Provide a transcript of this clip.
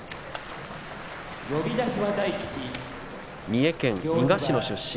三重県伊賀市の出身。